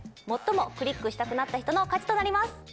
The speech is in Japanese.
最もクリックしたくなった人の勝ちとなります。